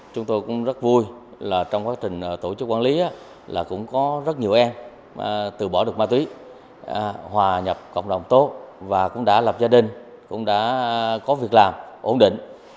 chúng tôi cũng rất vui là trong quá trình tổ chức quản lý là cũng có rất nhiều em từ bỏ được ma túy hòa nhập cộng đồng tốt và cũng đã lập gia đình cũng đã có việc làm ổn định